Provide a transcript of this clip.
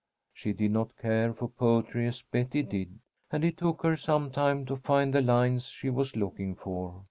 She did not care for poetry as Betty did, and it took her some time to find the lines she was looking for.